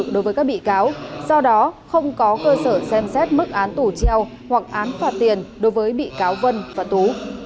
đối với các bị cáo do đó không có cơ sở xem xét mức án tù treo hoặc án phạt tiền đối với bị cáo vân và tú